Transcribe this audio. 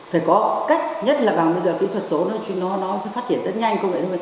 phải có cách nhất là bằng kỹ thuật số nó sẽ phát triển rất nhanh